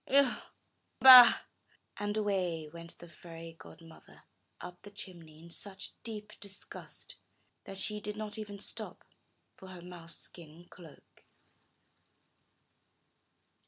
Ugh! Bah!" And away went the fairy godmother up the chimney in such deep disgust that she did not even stop for her mouse skin cloak.